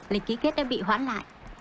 lịch ký kết đã bị hoãn lại